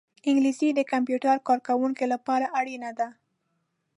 انګلیسي د کمپیوټر کاروونکو لپاره اړینه ده